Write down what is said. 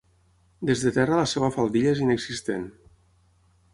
Des de terra la seva faldilla és inexistent.